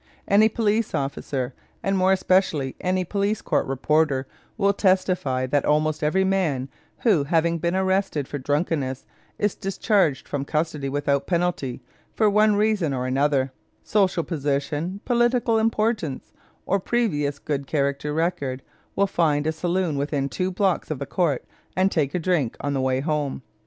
Any police officer, and more especially any police court reporter, will testify that almost every man who, having been arrested for drunkenness, is discharged from custody without penalty, for one reason or another, social position, political importance, or previous good character record, will find a saloon within two blocks of the court and take a drink on the way home.